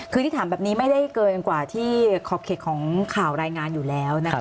คือที่ถามแบบนี้ไม่ได้เกินกว่าที่ขอบเขตของข่าวรายงานอยู่แล้วนะคะ